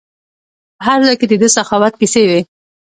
په هر ځای کې د ده سخاوت کیسې وي.